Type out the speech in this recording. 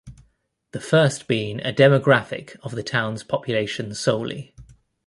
The first being a demographic of the town's population solely.